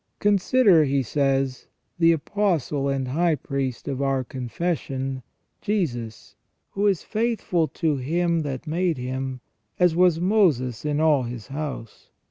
" Consider," he says, " the Apostle and High Priest of our confession, Jesus, who is faithful to Him that made Him, as was Moses in all his house.